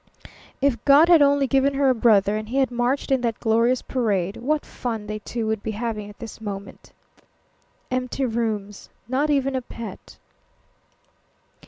If God had only given her a brother and he had marched in that glorious parade, what fun they two would be having at this moment! Empty rooms; not even a pet.